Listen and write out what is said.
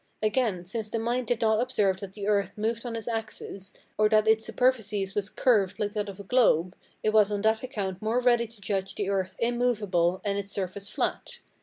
Again, since the mind did not observe that the earth moved on its axis, or that its superficies was curved like that of a globe, it was on that account more ready to judge the earth immovable and its surface flat.